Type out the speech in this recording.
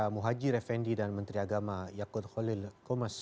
muhajir effendi dan menteri agama yakut holil komas